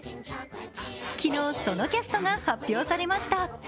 昨日、そのキャストが発表されました。